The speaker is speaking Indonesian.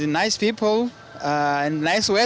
dengan orang orang yang baik